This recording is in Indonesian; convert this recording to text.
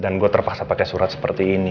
dan gue terpaksa pake surat seperti ini